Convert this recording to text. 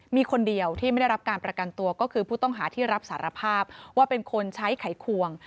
มีคนเดียวที่ไม่ได้รับการประกันตัวก็คือผู้ต้องหาที่รับสารภาพว่าเป็นคนใช้ไขควง